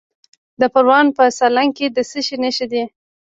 د پروان په سالنګ کې د څه شي نښې دي؟